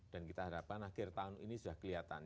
dan kita harapkan akhir tahun ini sudah kelihatan